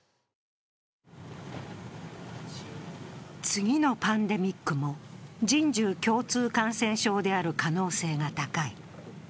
次のパンデミックも人獣共通感染症である可能性が高い。